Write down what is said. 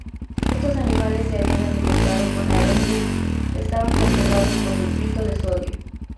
Estos animales se habían alimentado con arenques, que estaban conservados con nitrito de sodio.